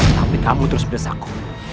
tapi kamu terus bencaku